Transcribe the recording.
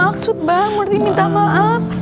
gak maksud bang murid minta maaf